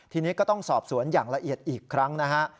ทีนี้ก็ต้องสอบสวนอย่างละเอียดอีกครั้งนะฮะ